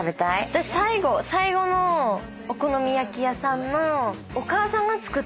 私最後のお好み焼き屋さんの。